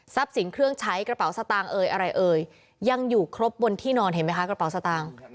สินเครื่องใช้กระเป๋าสตางค์เอ่ยอะไรเอ่ยยังอยู่ครบบนที่นอนเห็นไหมคะกระเป๋าสตางค์